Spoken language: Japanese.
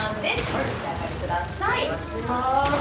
お召し上がりくださいいただきまーす！